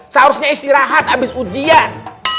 seharusnya istirahat abis ujian